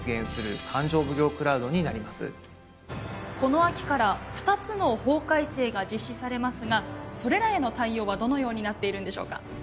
この秋から２つの法改正が実施されますがそれらへの対応はどのようになっているのでしょうか？